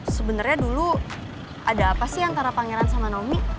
sebenernya dulu ada apa sih antara pangeran sama naomi